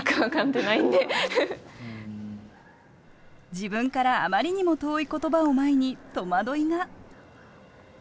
自分からあまりにも遠い言葉を前に戸惑いが。